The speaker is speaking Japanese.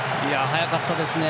速かったですね。